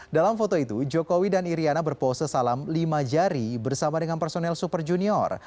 dalam foto itu jokowi dan iryana berpose salam lima jari bersama dengan personel super junior